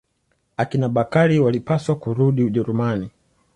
Akina Bakari walipaswa kurudi Ujerumani.